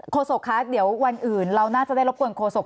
โศกคะเดี๋ยววันอื่นเราน่าจะได้รบกวนโฆษก